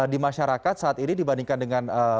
di masyarakat saat ini dibandingkan dengan